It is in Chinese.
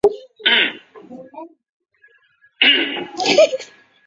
罗庄乡是中国河南省商丘市夏邑县下辖的一个乡。